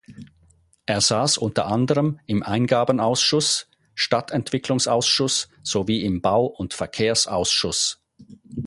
Er saß unter anderem im Eingabenausschuss, Stadtentwicklungsausschuss sowie im Bau- und Verkehrsausschuss.